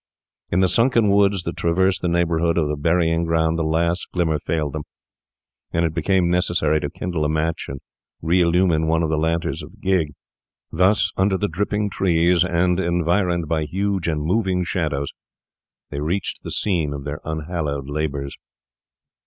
In the sunken woods that traverse the neighbourhood of the burying ground the last glimmer failed them, and it became necessary to kindle a match and re illumine one of the lanterns of the gig. Thus, under the dripping trees, and environed by huge and moving shadows, they reached the scene of their unhallowed labours.